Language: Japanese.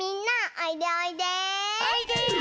おいで。